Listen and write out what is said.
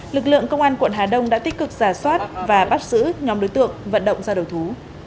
lực lượng công an quận hà đông đã tích cực giả soát và bắt giữ nhóm đối tượng vận động ra đầu thú